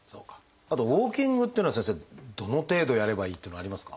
あとウォーキングっていうのは先生どの程度やればいいっていうのはありますか？